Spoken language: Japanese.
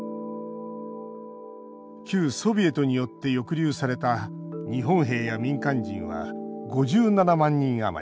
旧ソビエトによって抑留された日本兵や民間人は５７万人余り。